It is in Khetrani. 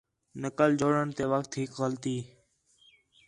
نقل چُݨن تے وخت ہِک غلطی